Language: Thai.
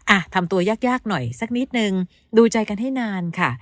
อ่ะทำตัวยากยากหน่อยสักนิดนึงดูใจกันให้นานค่ะ